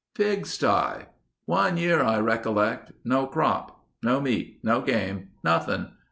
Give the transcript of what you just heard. "Pig sty.... One year I recollect, no crop. No meat. No game. Nothing.